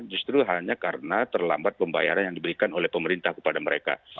justru hanya karena terlambat pembayaran yang diberikan oleh pemerintah kepada mereka